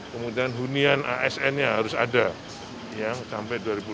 kemudian hunian asn nya harus ada yang sampai dua ribu dua puluh